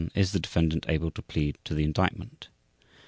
Is the defendant able to plead to the Indictment?